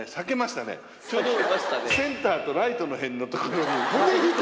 ちょうどセンターとライトの辺の所に。